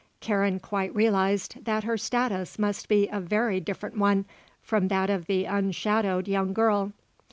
Karen quite realized that her status must be a very different one from that of the unshadowed young girl.